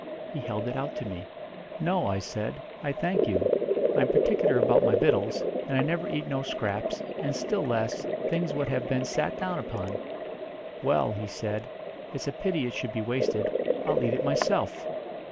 He held it out to me. 'No,' I said. 'I thank you. I am particular about my vittles, and I never eat no scraps, and, still less, things what have been sat down upon.' 'Well,' he said, 'it's a pity it should be wasted, I'll eat it myself.'